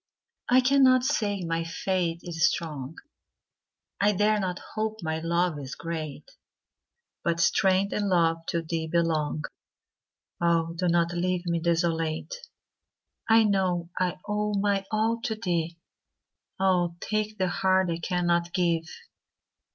I cannot say my faith is strong,I dare not hope my love is great; But strength and love to thee belong; Oh, do not leave me desolate!I know I owe my all to thee; Oh, take the heart I cannot give!